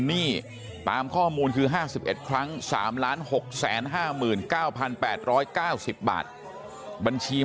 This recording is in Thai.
ครับแล้วก็พอเขาเป็นผู้ทุ่งหาแล้วเนี่ย